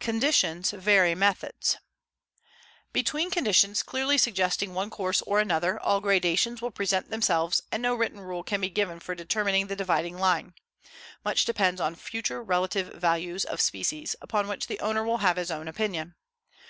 Conditions Vary Methods. Between conditions clearly suggesting one course or another, all gradations will present themselves and no written rule can be given for determining the dividing line. Much depends upon future relative values of species, upon which the owner will have his own opinion.